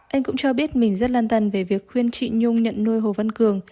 anh cũng cho biết mình rất lan tần về việc khuyên chị nhung nhận nuôi hồ văn cường